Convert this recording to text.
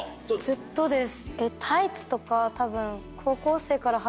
ずっとです。